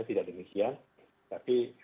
tidak demikian tapi